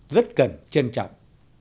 rất cần trân trọng